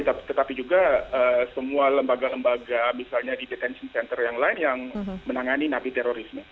tetapi juga semua lembaga lembaga misalnya di detention center yang lain yang menangani nabi terorisme